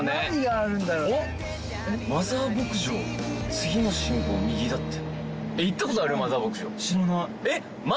次の信号右だって。